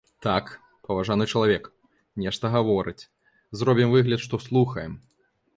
Так, паважаны чалавек, нешта гаворыць, зробім выгляд, што слухаем.